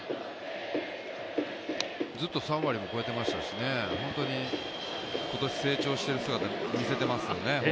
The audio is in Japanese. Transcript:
ずっと３割超えてましたし、本当に成長している姿見せていますよね。